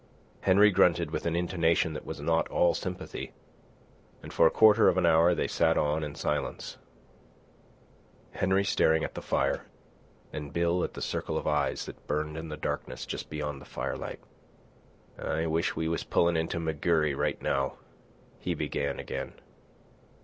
Henry grunted with an intonation that was not all sympathy, and for a quarter of an hour they sat on in silence, Henry staring at the fire, and Bill at the circle of eyes that burned in the darkness just beyond the firelight. "I wisht we was pullin' into McGurry right now," he began again.